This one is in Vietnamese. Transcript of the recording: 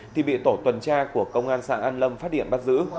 thì bị tổ tuần tra của công an xã an lâm phát hiện bắt giữ